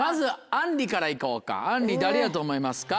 あんり誰やと思いますか？